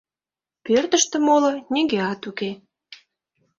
Пӧртыштӧ моло нигӧат уке.